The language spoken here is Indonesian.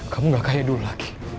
kamu gak kaya dulu lagi